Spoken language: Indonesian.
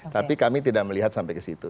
tapi kami tidak melihat sampai ke situ